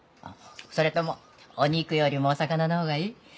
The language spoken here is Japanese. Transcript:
あっそれともお肉よりもお魚の方がいい？